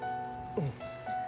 うん。